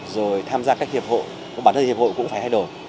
rồi tham gia các hiệp hội và bản thân hiệp hội cũng phải thay đổi